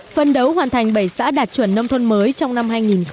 phân đấu hoàn thành bảy xã đạt chuẩn nông thôn mới trong năm hai nghìn một mươi bảy